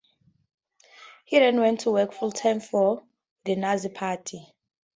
He then went to work full-time for the Nazi party.